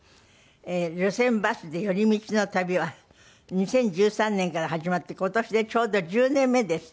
『路線バスで寄り道の旅』は２０１３年から始まって今年でちょうど１０年目ですって？